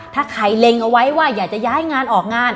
ถ้าใครเล็งเอาไว้ว่าอยากจะย้ายงานออกงาน